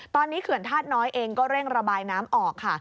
ตอนนี้เขื่อนธาตุน้อยเองก็เร่งระบายน้ำออกค่ะ